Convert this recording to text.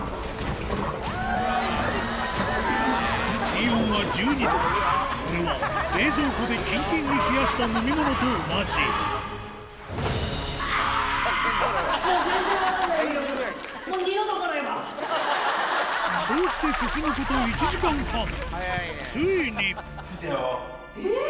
水温は１２度それは冷蔵庫でキンキンに冷やした飲み物と同じそうして進むこと１時間半ついにえぇ！